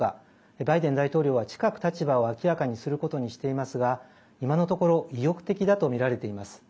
バイデン大統領は近く立場を明らかにすることにしていますが今のところ意欲的だとみられています。